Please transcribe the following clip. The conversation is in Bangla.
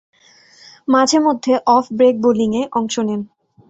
মাঝে-মধ্যে অফ ব্রেক বোলিংয়ে অংশ নেন।